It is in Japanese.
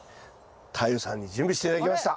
太陽さんに準備して頂きました。